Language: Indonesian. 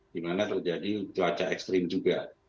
di mana terjadi cuaca ekstrim juga